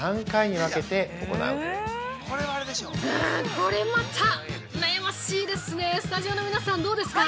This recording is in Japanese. ◆これまた悩ましいですね、スタジオの皆さん、どうですか。